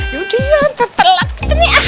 yaudah ya nanti telat kita nih